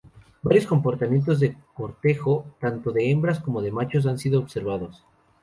Varios comportamientos de cortejo tanto de hembras como de machos han sido observados.